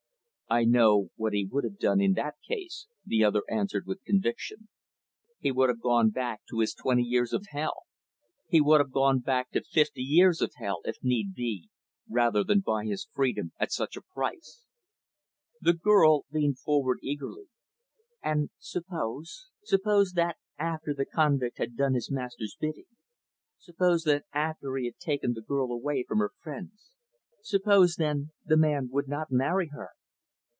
"I know what he would have done in that case," the other answered with conviction. "He would have gone back to his twenty years of hell. He would have gone back to fifty years of hell, if need be, rather than buy his freedom at such a price." The girl leaned forward, eagerly; "And suppose suppose that after the convict had done his master's bidding suppose that after he had taken the girl away from her friends suppose, then, the man would not marry her?"